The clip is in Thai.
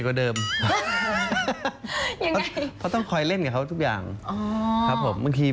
กลับมาเจอครอบครัวกลับมาเล่นกับน้องพรีมอย่างนี้